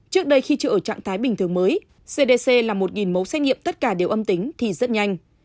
trước đây khi chưa ở trạng thái bình thường mới cdc là một mẫu xét nghiệm tất cả đều âm tính thì rất nhanh